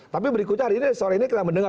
tapi berikutnya hari ini sore ini kita mendengar